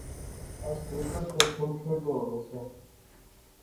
اس کرکٹ تے پھنڈ کھیڈنے ہونے سیاں